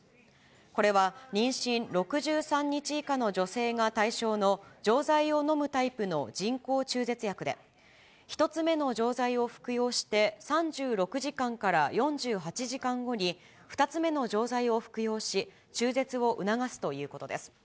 これは妊娠６３日以下の女性が対象の、錠剤をのむタイプの人工中絶薬で、１つ目の錠剤を服用して３６時間から４８時間後に２つ目の錠剤を服用し、中絶を促すということです。